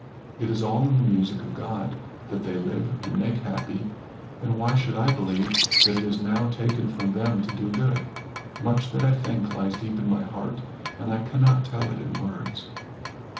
It is all in the music of God, that they live, and make happy, and why should I believe that it is now taken from them to do good? Much that I think lies deep in my heart, and I cannot tell it in words."